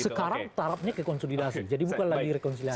sekarang tarapnya kekonsolidasi jadi bukan lagi rekonsolidasi